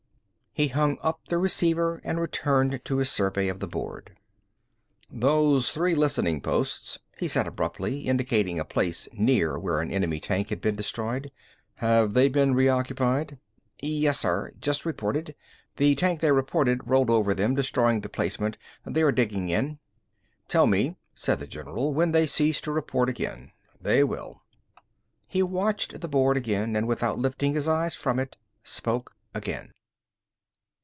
He hung up the receiver and returned to his survey of the board. "Those three listening posts," he said abruptly, indicating a place near where an enemy tank had been destroyed. "Have they been reoccupied?" "Yes, sir. Just reported. The tank they reported rolled over them, destroying the placement. They are digging in." "Tell me," said the general, "when they cease to report again. They will." He watched the board again and without lifting his eyes from it, spoke again.